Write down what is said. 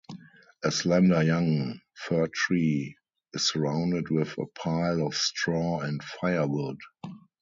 A slender young fir-tree is surrounded with a pile of straw and firewood.